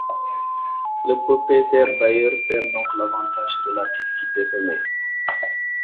Le propriétaire bailleur perd donc l’avantage relatif qu’il détenait.